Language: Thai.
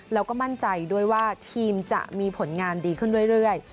แล้วก็มั่นใจด้วยว่าทีมจะมีผลงานดีขึ้นเรื่อย